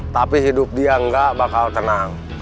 tapi hidup dia nggak bakal tenang